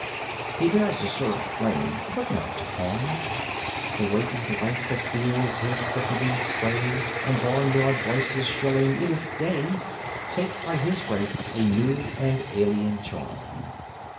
He bears a sword of flame but not to harm The wakened life that feels his quickening sway And barnyard voices shrilling "It is day!" Take by his grace a new and alien charm.